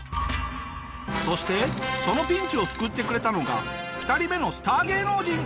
そしてそのピンチを救ってくれたのが２人目のスター芸能人！